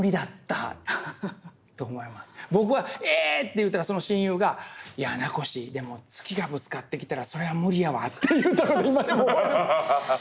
言うたらその親友がいや名越でも月がぶつかってきたらそれは無理やわって言うたのを今でも覚えてます。